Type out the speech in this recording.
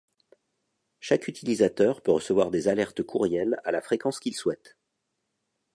Chaque utilisateur peut recevoir des alertes courriel à la fréquence qu'il souhaite.